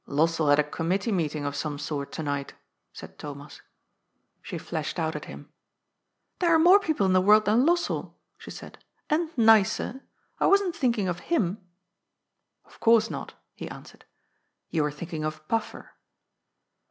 '' ^^Lossell had a committee meeting of some sort to night," said Thomas. She flashed out at him. ^^ There are more people in the world than Lossell," she said, ^^ and nicer. I wasn't think ing of him." " Of course not," he answered. " You were thinking of Paffer."